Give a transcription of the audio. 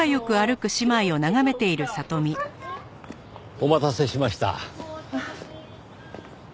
お待たせしました。